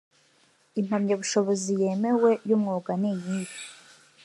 impamyabushobozi yemewe y umwuga niyihe